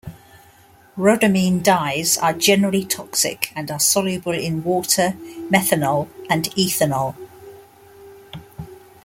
Rhodamine dyes are generally toxic, and are soluble in water, methanol and ethanol.